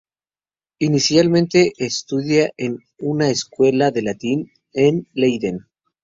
Inicialmente estudia en una "Escuela de Latín" en Leiden.